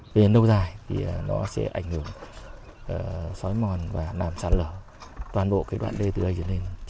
vì nâu dài thì nó sẽ ảnh hưởng xói mòn và nàm sạt lở toàn bộ đoạn đê từ đây đến đây